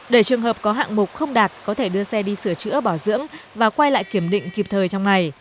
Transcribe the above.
để trường hợp có hạng mục không đạt có thể đưa xe đi sửa chữa bảo dưỡng và quay lại kiểm định kịp thời trong ngày